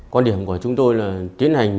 con điểm của chúng tôi là tiến hành